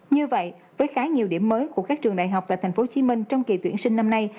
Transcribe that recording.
như vậy với khá nhiều điểm mới của các trường đại học tại tp hcm trong kỳ tuyển sinh năm nay